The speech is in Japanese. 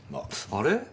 あれ？